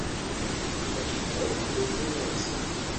Такі крок быў бы моцны.